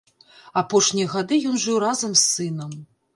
Апошнія гады ён жыў разам з сынам.